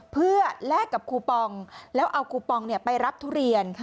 เพื่อแลกกับคูปองแล้วเอาคูปองไปรับทุเรียน